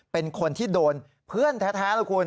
เป็นคนที่โดนเพื่อนแท้นะคุณ